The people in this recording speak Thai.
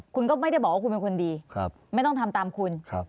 คุณก็ไม่ได้บอกว่าคุณเป็นคนดีไม่ต้องทำตามคุณ